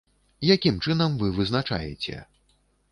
Якім чынам вы вызначаеце?